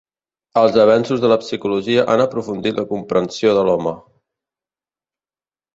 Els avenços de la psicologia han aprofundit la comprensió de l'home.